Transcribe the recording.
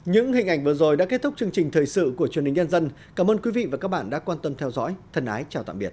những hình ảnh vừa rồi đã kết thúc chương trình thời sự của truyền hình nhân dân cảm ơn quý vị và các bạn đã quan tâm theo dõi thân ái chào tạm biệt